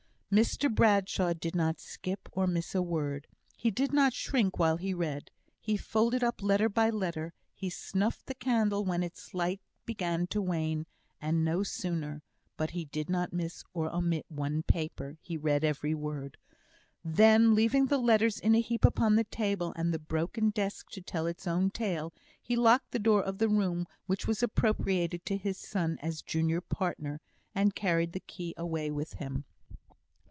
Mr Bradshaw did not skip or miss a word. He did not shrink while he read. He folded up letter by letter; he snuffed the candle just when its light began to wane, and no sooner; but he did not miss or omit one paper he read every word. Then, leaving the letters in a heap upon the table, and the broken desk to tell its own tale, he locked the door of the room which was appropriated to his son as junior partner, and carried the key away with him.